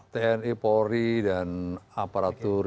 tni polri dan aparatur